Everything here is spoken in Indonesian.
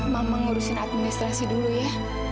mama ngurusin administrasi dulu ya